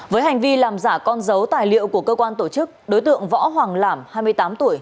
với hành vi làm giả con dấu tài liệu của cơ quan tổ chức đối tượng võ hoàng lảm hai mươi tám tuổi